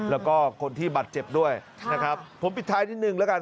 แล้วก็คนที่บัตรเจ็บด้วยผมพิดท้ายนิดหนึ่งละกัน